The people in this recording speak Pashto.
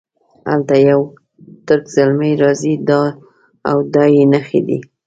هلته یو ترک زلمی راځي دا او دا یې نښې دي.